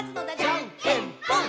「じゃんけんぽん！！」